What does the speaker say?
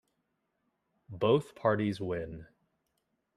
Both parties win.